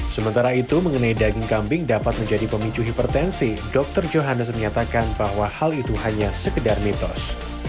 sementara itu mengenai daging kambing dapat menjadi pemicu hipertensi dr johannes menyatakan bahwa hal itu hanya sekedar mitos